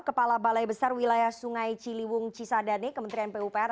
kepala balai besar wilayah sungai ciliwung cisadane kementerian pupr